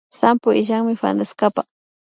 Sampo illanmi fanestapa